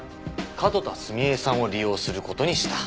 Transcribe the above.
角田澄江さんを利用する事にした。